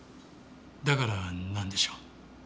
だからなんでしょう？